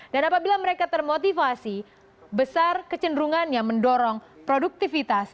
dan apabila mereka termotivasi besar kecenderungannya mendorong produktivitas